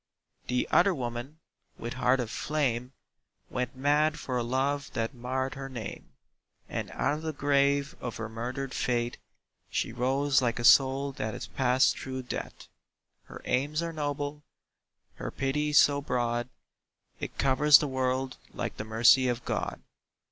The other woman, with heart of flame, Went mad for a love that marred her name: And out of the grave of her murdered faith She rose like a soul that has passed through death. Her aims are noble, her pity so broad, It covers the world like the mercy of God.